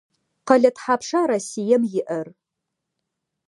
Къэлэ тхьапша Россием иӏэр?